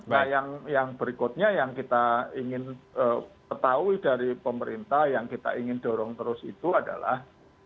nah yang berikutnya yang kita ingin ketahui dari pemerintah yang kita ingin dorong terus itu adalah